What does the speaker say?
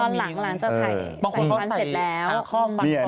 ตอนนั้นกำลังจะไขวันฟันเสร็จแล้ว